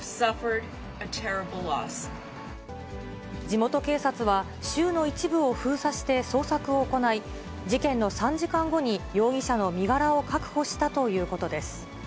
地元警察は、州の一部を封鎖して捜索を行い、事件の３時間後に容疑者の身柄を確保したということです。